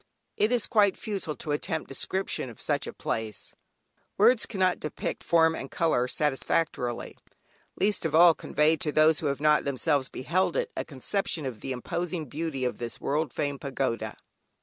It is quite futile to attempt description of such a place; words cannot depict form and colour satisfactorily, least of all convey to those who have not themselves beheld it, a conception of the imposing beauty of this world famed Pagoda.